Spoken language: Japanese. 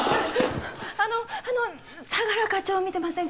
あの相良課長見てませんか？